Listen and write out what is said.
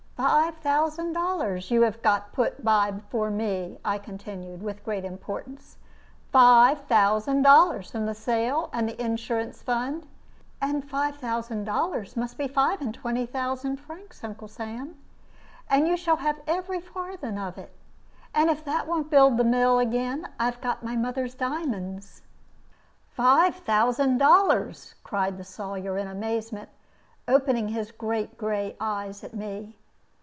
"Five thousand dollars you have got put by for me," I continued, with great importance. "Five thousand dollars from the sale and the insurance fund. And five thousand dollars must be five and twenty thousand francs. Uncle Sam, you shall have every farthing of it. And if that won't build the mill again, I have got my mother's diamonds." "Five thousand dollars!" cried the Sawyer, in amazement, opening his great gray eyes at me.